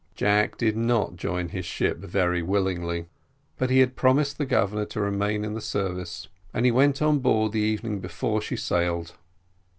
Jack did not join his ship very willingly, but he had promised the Governor to remain in the service, and he went on board the evening before she sailed.